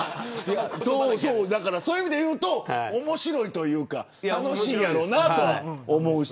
そういう意味でいうと面白いというか楽しいやろうなとは思うし。